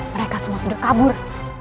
mereka semua sudah kabur